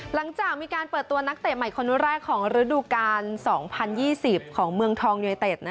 หลังจากมีการเปิดตัวนักเตะใหม่คนแรกของฤดูกาล๒๐๒๐ของเมืองทองยูไนเต็ด